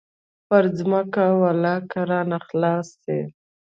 پر ځمکه ولله که رانه خلاص سي.